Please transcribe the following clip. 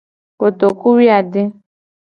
Kotokuwuiade.